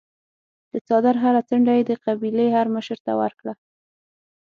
د څادر هره څنډه یې د قبیلې هرمشر ته ورکړه.